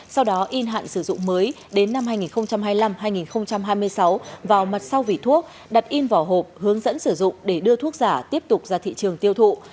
sau đó in hạn sử dụng mới đến năm hai nghìn hai mươi năm hai nghìn hai mươi sáu vào mặt sau vỉ thuốc đặt in vỏ hộp hướng dẫn sử dụng để đưa thuốc giả tiếp tục ra thị trường tiêu thụ